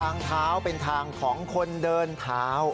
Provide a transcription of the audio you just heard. ทางเท้าเป็นทางของคนเดินเท้า